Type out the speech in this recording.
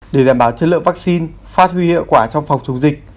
để đảm bảo chất lượng vắc xin phát huy hiệu quả trong phòng chống dịch